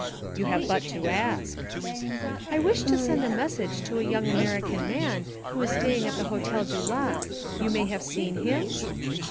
'You have but to ask.' 'I wish to send a message to a young American man who is staying at the Hotel du Lac you may have seen him?'